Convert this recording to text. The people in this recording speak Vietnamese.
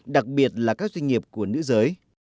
đặc biệt là các doanh nghiệp của nữ giới